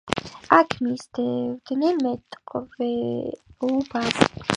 აქ მისდევენ მეტყევეობას.